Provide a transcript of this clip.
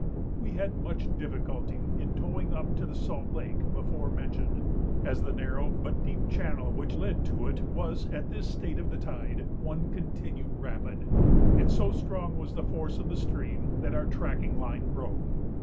We had much difficulty in towing up to the Salt Lake before mentioned, as the narrow but deep channel which led to it was, at this state of the tide, one continued rapid, and so strong was the force of the stream that our tracking line broke.